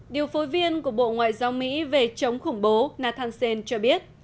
điều phối viên của bộ ngoại giao mỹ về chống khủng bố nathan sen cho biết